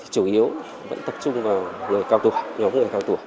chủ yếu vẫn tập trung vào người cao tủa nhóm người cao tủa